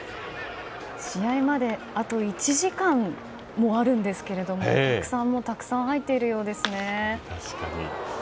試合まであと１時間もあるんですがお客さんもたくさん入っているようですね。